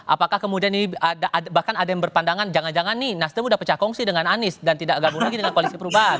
apakah kemudian ini bahkan ada yang berpandangan jangan jangan nih nasdem udah pecah kongsi dengan anies dan tidak gabung lagi dengan koalisi perubahan